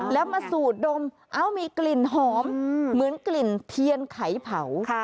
แล้วมาสูดดมเอ้ามีกลิ่นหอมเหมือนกลิ่นเทียนไขเผา